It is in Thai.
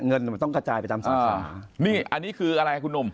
เงินมันต้องกระจายไปตามสาขานี่อันนี้คืออะไรคุณหนุ่ม